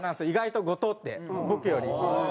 意外と後藤って僕より。